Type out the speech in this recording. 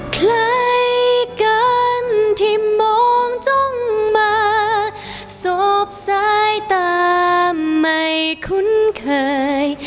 คล้ายกันที่มองจ้องมาสอบสายตาไม่คุ้นเคย